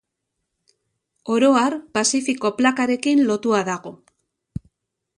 Oro har, Pazifiko Plakarekin lotua dago.